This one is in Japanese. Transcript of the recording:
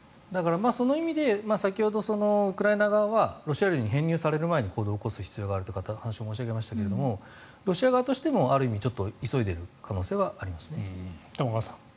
その意味で先ほどウクライナ側はロシア領に編入される前に行動を起こす必要があるという話を申し上げましたがロシア側としてもある意味急いでいる可能性はありますね。